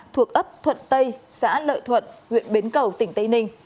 thuộc ấp thuận tây xã lợi thuận huyện bến cầu tỉnh tây ninh